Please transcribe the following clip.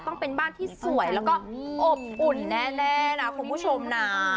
ต้องเป็นบ้านที่สวยแล้วก็อบอุ่นแน่นะคุณผู้ชมนะ